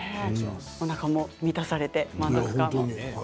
おなかも満たされて満足です。